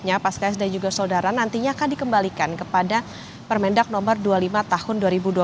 akan dikembalikan kepada permendak nomor dua puluh lima tahun dua ribu dua puluh dua